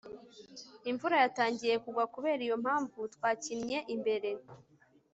imvura yatangiye kugwa. kubera iyo mpamvu, twakinnye imbere